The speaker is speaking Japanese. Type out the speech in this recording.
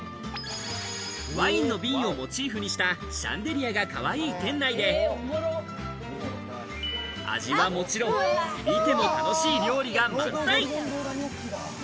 ワインの瓶をモチーフにしたシャンデリアがかわいい店内で、味はもちろん、見ても楽しい料理が満載。